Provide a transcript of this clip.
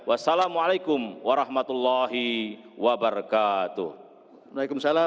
assalamualaikum warahmatullahi wabarakatuh